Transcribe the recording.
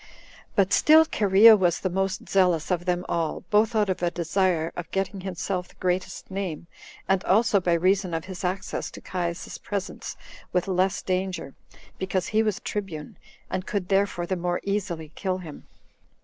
But still Cherea was the most zealous of them all, both out of a desire of getting himself the greatest name, and also by reason of his access to Caius's presence with less danger, because he was tribune, and could therefore the more easily kill him.